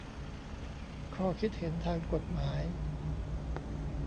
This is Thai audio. ข้อคิดเห็นทางกฎหมาย